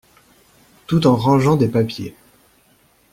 Tout en rangeant des papiers.